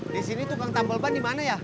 disini tukang tambel ban dimana ya